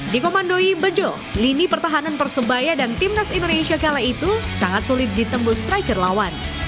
dikomandoi bejo lini pertahanan persebaya dan timnas indonesia kala itu sangat sulit ditembus striker lawan